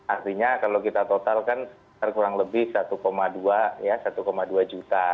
artinya kalau kita total kan kurang lebih satu dua juta